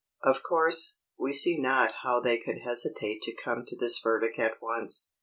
Of course, we see not how they could hesitate to come to this verdict at once.